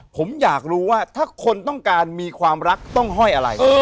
ผมอยากรู้ว่าถ้าคนต้องการมีความรักต้องห้อยอะไร